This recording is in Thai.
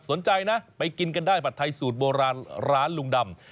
สนใจนะไปกินกันได้ผัดไทยสูตรโบราณร้านลุงดำ